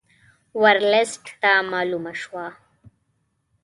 ورلسټ ته معلومه شوه.